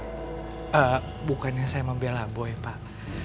bukannya saya membela boy pak